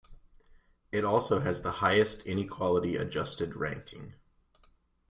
It also has the highest inequality-adjusted ranking.